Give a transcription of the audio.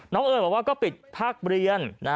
น้องเอิญบอกว่าก็ปิดผักเรียน